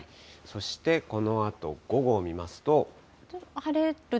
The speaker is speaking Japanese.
そしてこのあと午後を見ますと。